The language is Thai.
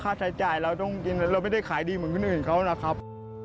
ใช้จ่ายเราต้องกินเราไม่ได้ขายดีเหมือนคนอื่นเขานะครับ